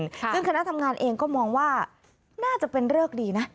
ซึ่งคณะทำงานเองก็มองว่าน่าจะเป็นเริกดีนะ